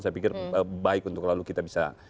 saya pikir baik untuk lalu kita bisa